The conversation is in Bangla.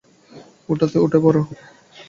উঠাতে উঠে পড়।